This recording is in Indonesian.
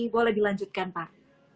boleh dilanjutkan pak